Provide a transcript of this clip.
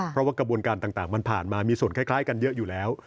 เพราะว่ากระบวนการต่างมันผ่านมามีส่วนคล้ายกันเยอะอยู่แล้ว